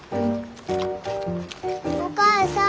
お母さん。